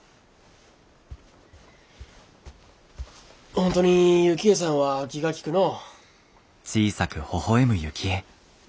本当に雪衣さんは気が利くのう。